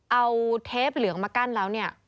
เอาเทปเหลืองมากั้นแล้วเนี่ย